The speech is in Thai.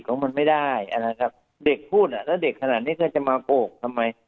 ว่ามันไม่ได้เด็กพูดถ้าเด็กขนาดนี้ก็จะมาโกรธทำไม